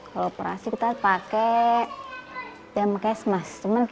kalau operasi kita pakai damkesmas